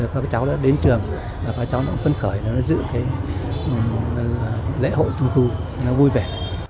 các cháu đã đến trường và các cháu đã phân khởi để giữ lễ hội trung thu vui vẻ